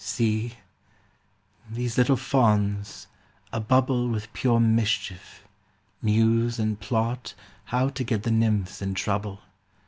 See 1 these little fauns, a bubble With pure mischief, muse and plot How to get the nymphs in trouble.